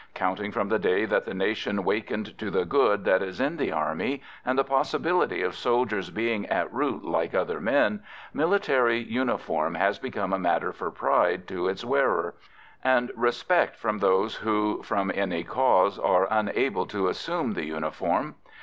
Counting from the day that the nation wakened to the good that is in the Army, and the possibility of soldiers being at root like other men, military uniform has become a matter for pride to its wearer, and respect from those who from any cause are unable to assume the uniform.